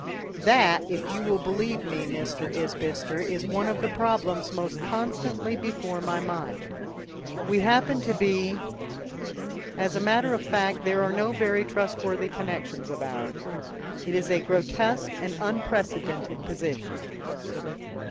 "That, if you will believe me, Mr. Isbister, is one of the problems most constantly before my mind. We happen to be as a matter of fact, there are no very trustworthy connexions of ours. It is a grotesque and unprecedented position."